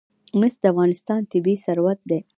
مس د افغانستان طبعي ثروت دی.